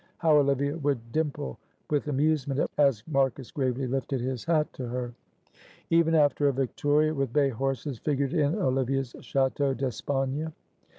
How Olivia would dimple with amusement as Marcus gravely lifted his hat to her. Ever after a victoria with bay horses figured in Olivia's châteaux d'espagne.